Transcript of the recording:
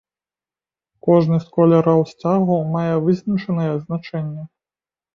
Кожны з колераў сцягу мае вызначанае значэнне.